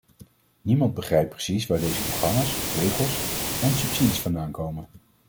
Niemand begrijpt precies waar deze programma’s, regels en subsidies vandaan komen.